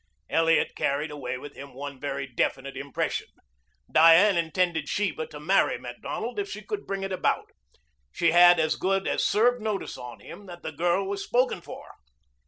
Elliot carried away with him one very definite impression. Diane intended Sheba to marry Macdonald if she could bring it about. She had as good as served notice on him that the girl was spoken for.